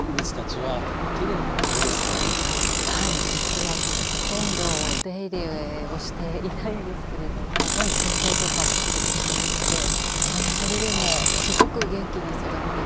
はい実はほとんどお手入れをしていないんですけれどもせん定とかもちょっとしてなくてそれでもすごく元気に育ってくれていて。